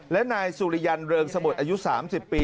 และนายสุริยันเริงสมุทรอายุ๓๐ปี